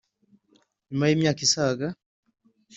Nyuma y imyaka isaga